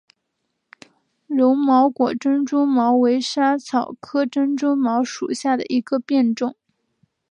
柔毛果珍珠茅为莎草科珍珠茅属下的一个变种。